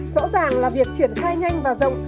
rõ ràng là việc triển khai nhanh và rộng